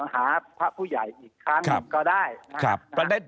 หาพระผู้ใหญ่อีกครั้งก็ได้